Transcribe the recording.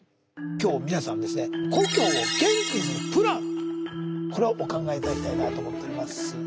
今日皆さんにですね故郷を元気にするプランこれをお考え頂きたいなと思っております。